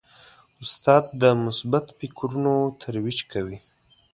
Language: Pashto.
استاد د مثبت فکرونو ترویج کوي.